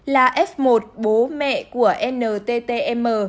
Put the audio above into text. là f một bố mẹ của nttm